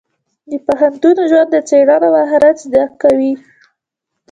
د پوهنتون ژوند د څېړنې مهارت زده کوي.